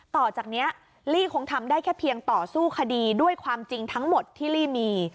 ต่อจากนี้ลี่คงทำได้แค่เพียงต่อสู้คดีด้วยความจริงทั้งหมดที่ลี่มี